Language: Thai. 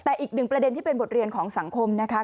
แต่อีกหนึ่งประเด็นที่เป็นบทเรียนของสังคมนะคะ